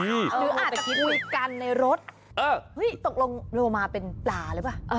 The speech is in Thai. หรืออาจจะคิดอุ๊ยกันในรถเฮ้ยตกลงลงมาเป็นปลาเลยป่ะ